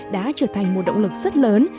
đã trở thành một động lực rất lớn